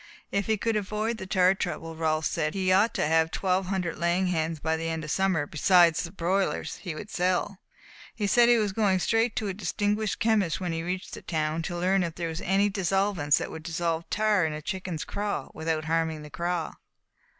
If he could avoid the tar trouble, Rolfs said, he ought to have twelve hundred laying hens by the end of the summer, besides the broilers he would sell. He said he was going straight to a distinguished chemist when he reached town to learn if there was any dissolvent that would dissolve tar in a chicken's craw, without harming the craw.